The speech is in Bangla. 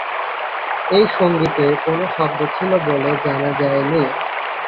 এই সঙ্গীতের কোন শব্দ ছিল বলে জানা যায়নি।